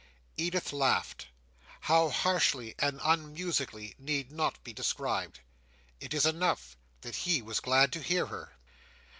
Edith laughed. How harshly and unmusically need not be described. It is enough that he was glad to hear her.